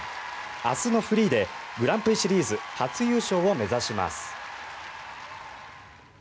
明日のフリーでグランプリシリーズ初優勝を目指します。